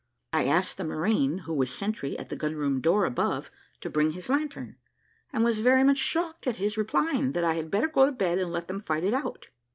I asked the marine, who was sentry at the gun room door above, to bring his lantern, and was very much shocked at his replying that I had better go to bed and let them fight it out.